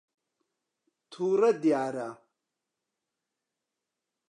تووڕە دیارە.